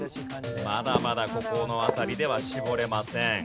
まだまだここの辺りでは絞れません。